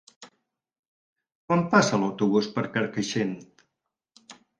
Quan passa l'autobús per Carcaixent?